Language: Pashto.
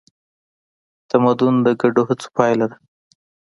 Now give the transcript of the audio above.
تمدن د ګډو هڅو پایله ده.